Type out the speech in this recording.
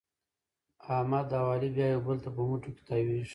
احمد او علي بیا یو بل ته په مټو کې تاوېږي.